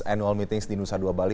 annual meetings di nusa dua bali